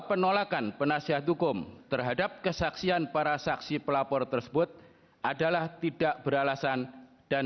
penolakan penasihat hukum terhadap kesaksian para saksi pelapor tersebut adalah tidak beralasan dan